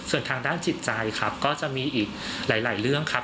ส่วนทางด้านจิตใจครับก็จะมีอีกหลายเรื่องครับ